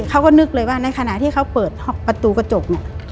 เขาก็นึกเลยว่าในขณะที่เขาเปิดประตูกระจกเนี่ย